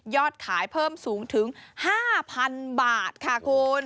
ขายเพิ่มสูงถึง๕๐๐๐บาทค่ะคุณ